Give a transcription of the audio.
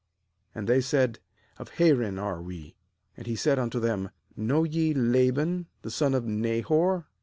And they said: 'Of Haran are we.' 5And he said unto them: 'Know ye Laban the son of Nahor?'